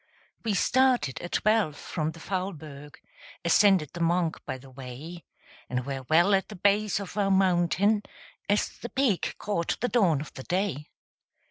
We started at twelve from the Faulberg; Ascended the Monch by the way; And were well at the base of our mountain, As the peak caught the dawn of the day.